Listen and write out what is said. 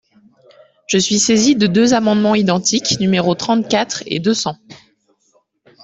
Je suis saisie de deux amendements identiques, numéros trente-quatre et deux cents.